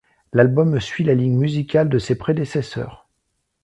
L'album suit la ligne musicale de ses prédécesseurs.